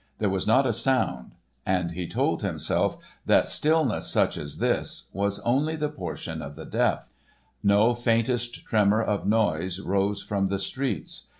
There was not a sound, and he told himself that stillness such as this was only the portion of the deaf. No faintest tremor of noise rose from the streets.